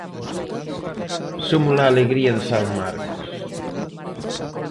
Somos a alegría de San Marcos.